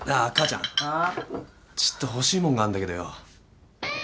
ちょっと欲しいもんがあんだけどよ。